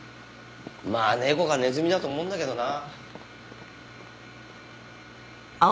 まあ猫かネズミだと思うんだけどな。